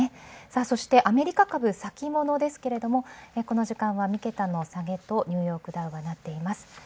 そしてアメリカ株先物ですがこの時間は３桁の下げとニューヨークダウなっています。